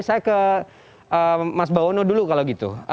saya ke mas bawono dulu kalau gitu